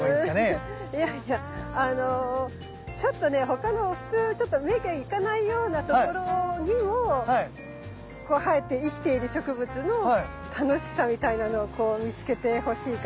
いやいやあのちょっとね他の普通ちょっと目が行かないような所にも生えて生きている植物の楽しさみたいなのをこう見つけてほしいかなっていう。